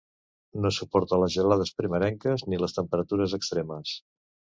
No suporta les gelades primerenques ni les temperatures extremes.